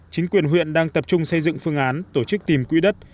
chính quyền huyện đang tập trung xây dựng phương án tổ chức tìm quỹ đất